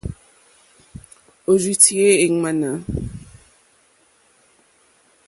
Òrzì tíyá èŋmánà.